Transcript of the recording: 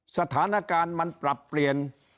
สถานการณ์มันปรับเปลี่ยน